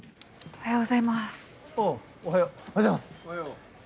・おはよう。